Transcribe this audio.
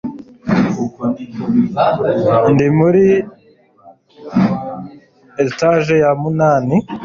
Ndi muri etage ya munani